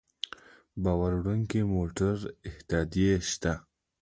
د بار وړونکو موټرو اتحادیې شته